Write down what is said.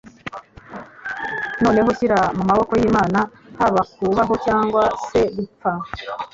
noneho yishyira mu maboko y'Imana haba kubaho cyangwa se gupfa,